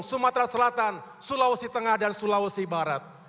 sumatera selatan sulawesi tengah dan sulawesi barat